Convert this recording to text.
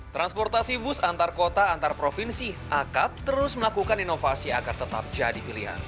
transportasi bus antar kota antar provinsi akap terus melakukan inovasi agar tetap jadi pilihan